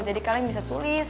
jadi kalian bisa tulis